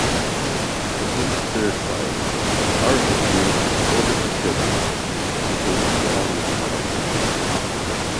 Against their advice Arvedui boarded the ship, which became surrounded by ice.